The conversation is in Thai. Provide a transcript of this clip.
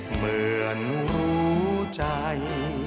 เหมือนรู้ใจ